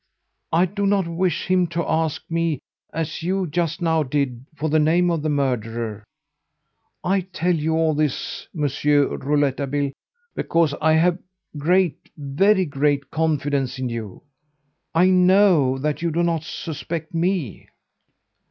I do not wish him to ask me, as you just now did, for the name of the murderer. I tell you all this, Monsieur Rouletabille, because I have great, very great, confidence in you. I know that you do not suspect me.